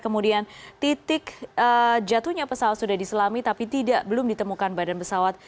kemudian titik jatuhnya pesawat sudah diselami tapi belum ditemukan badan pesawat